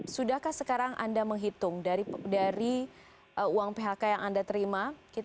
sudahkah sekarang anda menghitung dari uang phk yang anda terima